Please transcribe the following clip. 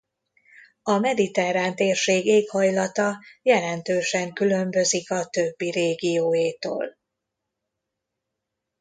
A mediterrán térség éghajlata jelentősen különbözik a többi régióétól.